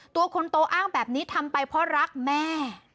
ตัวคนโตอ้างแบบนี้ทำไปเพราะรักแม่